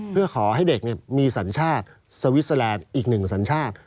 เพื่อขอให้เด็กมีสัญชาติสวิสเตอร์แลนด์อีกหนึ่งสัญชาติ